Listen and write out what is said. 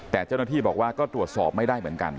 แต่เจ้าหน้าที่บอกว่าก็ตรวจสอบไม่ได้เหมือนกัน